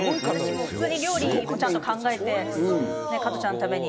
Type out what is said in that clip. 普通に料理も、ちゃんと考えて加トちゃんのために」